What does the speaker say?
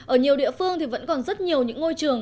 ở nhiều địa phương thì vẫn còn rất nhiều những ngôi trường